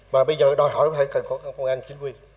mà bây giờ đòi hỏi phải cần có công an chính quy